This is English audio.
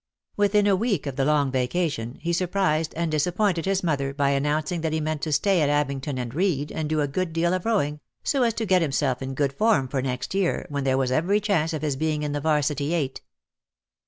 • Within a week of the long vacation, he surprised and disappointed his mother by announcing that he meant to stay at Abingdon and read, and do a good deal of rowing, so as to get himself in good form for next year, when there was every chance of his being in the 'Varsity eight.